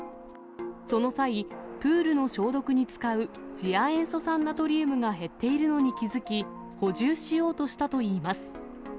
その際、プールの消毒に使う次亜塩素酸ナトリウムが減っているのに気付き、補充しようとしたといいます。